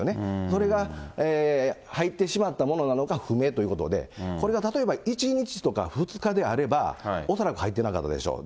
それが入ってしまったものなのか不明ということで、これが例えば１日とか２日であれば、恐らく入ってなかったでしょう。